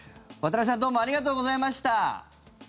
渡部さんどうもありがとうございました。